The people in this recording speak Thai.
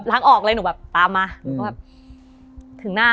ล้างออกเลยหนูตามมา